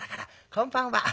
『こんばんは』。